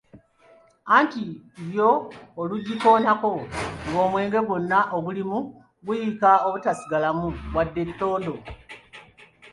Anti yo olugikoonako ng'omwenge gwonna ogulimu guyiika obutasigalamu wadde ettondo!